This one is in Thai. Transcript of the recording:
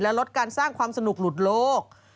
ลดการสร้างความสนุกหลุดโลก